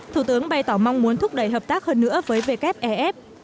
thủ tướng bày tỏ mong muốn thúc đẩy hợp tác hơn nữa với wf ef